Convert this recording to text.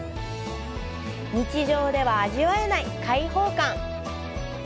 日常では味わえない開放感！